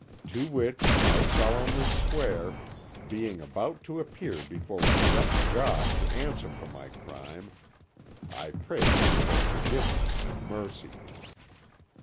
"To which I solemnly swear, being about to appear before a just God to answer for my crime. I pray for forgiveness and mercy.